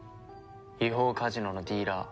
違法カジノのディーラー